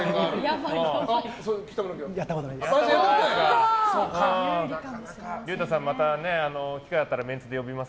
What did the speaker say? やったことないです。